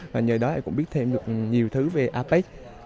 và nhờ đó em cũng biết thêm được nhiều thứ về apec